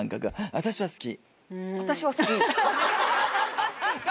私は好き？